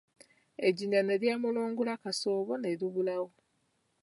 Ejinja ne ly'emulungulula kasoobo ne libulawo.